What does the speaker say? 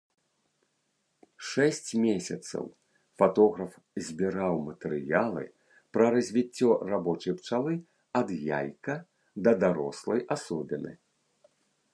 Шэсць месяцаў фатограф збіраў матэрыялы пра развіццё рабочай пчалы ад яйка да дарослай асобіны.